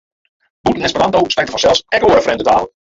Bûten Esperanto sprekt er fansels ek oare frjemde talen.